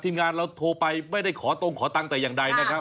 งานเราโทรไปไม่ได้ขอตรงขอตังค์แต่อย่างใดนะครับ